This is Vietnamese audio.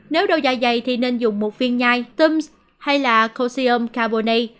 nếu đau dài dày thì nên dùng một viên nhai thums hay là kelsium carbonate